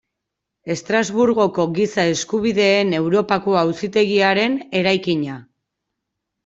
Estrasburgoko Giza Eskubideen Europako Auzitegiaren eraikina.